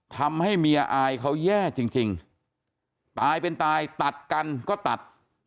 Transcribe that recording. ทำให้เมียอายเขาแย่จริงตายเป็นตายตัดกันก็ตัด